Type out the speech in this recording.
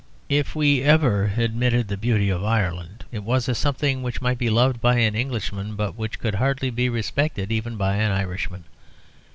If we ever admitted the beauty of Ireland, it was as something which might be loved by an Englishman but which could hardly be respected even by an Irishman.